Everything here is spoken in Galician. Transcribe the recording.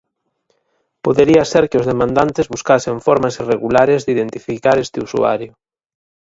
Podería ser que os demandantes buscasen formas irregulares de identificar este usuario.